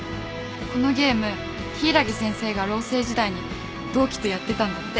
このゲーム柊木先生がロー生時代に同期とやってたんだって。